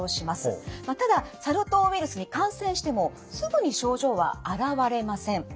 ただサル痘ウイルスに感染してもすぐに症状は現れません。